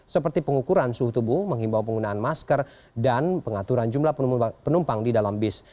seperti pengukuran suhu tubuh menghimbau penggunaan masker dan pengaturan jumlah penumpang di dalam bis